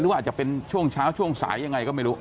ว่าอาจจะเป็นช่วงเช้าช่วงสายยังไงก็ไม่รู้